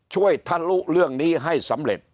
ช่วยท่านรู้เรื่องนี้ให้สำเร็จ